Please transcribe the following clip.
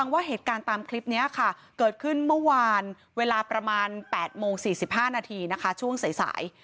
เวลาประมาณ๘โมง๔๕นาทีนะคะช่วงใส่